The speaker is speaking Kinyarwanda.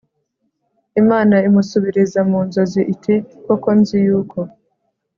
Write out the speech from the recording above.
Imana imusubiriza mu nzozi iti Koko nzi yuko